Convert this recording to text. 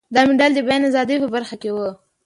دا مډال د بیان ازادۍ په برخه کې و.